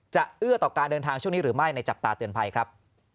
เอื้อต่อการเดินทางช่วงนี้หรือไม่ในจับตาเตือนภัยครับ